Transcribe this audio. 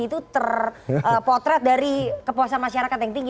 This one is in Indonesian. itu terpotret dari kepuasan masyarakat yang tinggi